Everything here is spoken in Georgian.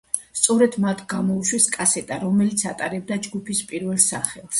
სწორად მათ გამოუშვეს კასეტა, რომელიც ატარებდა ჯგუფის პირველ სახელს.